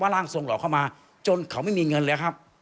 ร่างทรงหลอกเข้ามาจนเขาไม่มีเงินแล้วครับ